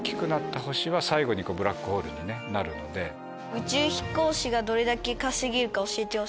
宇宙飛行士がどれだけ稼げるか教えてほしいです。